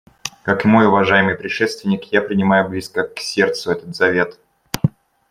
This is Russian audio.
Как и мой уважаемый предшественник, я принимаю близко к сердцу этот завет.